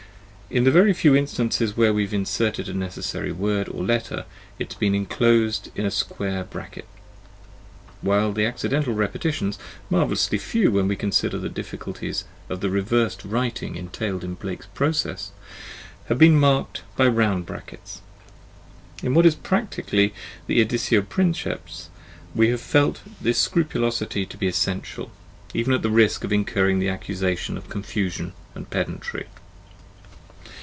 In the very few instances where we have inserted a necessary word or letter it has been inclosed in square brackets; while the accidental repetitions (marvellously few, when we consider the difficulties of the reversed writing entailed by Blake's process) have been marked by round brackets. In what is practically the editio princefs we have felt this scrupulosity to be essential, even at the risk of incurring the accusa tion of confusion and pedantry.